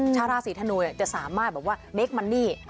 ชาวราษีธนูจะสามารถโลกเป็นว่านิกา